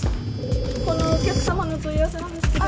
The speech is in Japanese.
このお客様のお問い合わせなんですけど。